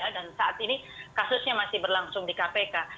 dan saat ini kasusnya masih berlangsung di kpk